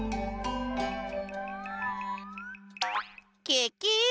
ケケ！